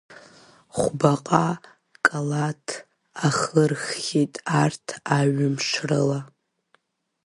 Хәбаҟа калаҭ ахырххьеит арҭ аҩымш рыла.